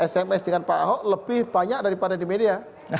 sms dengan pak ahok lebih banyak daripada di media